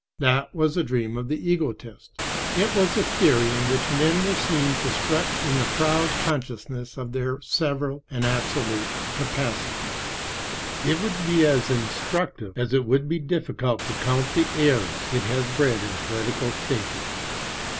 That was the dream of the egotist. It was a theory in which men were seen to strut in the proud consciousness of their several and "absolute" capacities. It would be as instructive as it would be difficult to count the errors it has bred in political thinking.